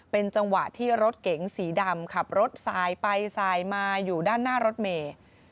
เป็นจังหวะที่รถเก๋งสีดำขับรถสายไปสายมาอยู่ด้านหน้ารถเมย์